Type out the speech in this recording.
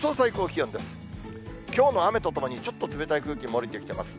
きょうの雨とともに、ちょっと冷たい空気も降りてきています。